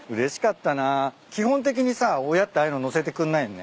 基本的にさ親ってああいうの乗せてくれないよね。